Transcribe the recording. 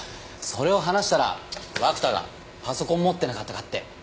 それを話したら涌田がパソコン持ってなかったかって。